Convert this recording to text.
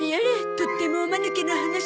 とってもおマヌケな話。